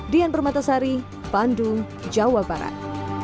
dian permatasari bandung jawa barat